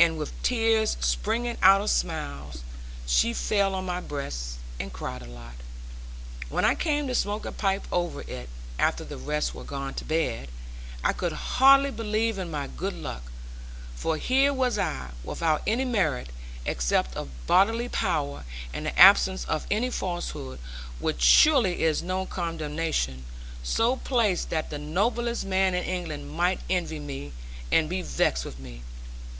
And with tears springing out of smiles, she fell on my breast, and cried a bit. When I came to smoke a pipe over it (after the rest were gone to bed), I could hardly believe in my good luck. For here was I, without any merit, except of bodily power, and the absence of any falsehood (which surely is no commendation), so placed that the noblest man in England might envy me, and be vexed with me.